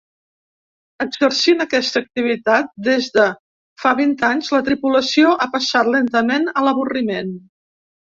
Exercint aquesta activitat des de fa vint anys, la tripulació ha passat lentament a l'avorriment.